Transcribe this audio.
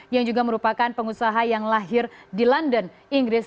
yang juga merupakan pengusaha yang lahir di london inggris